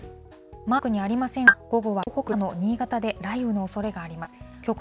マークにありませんが、午後は関東北部や長野、新潟で雷雨のおそれがあります。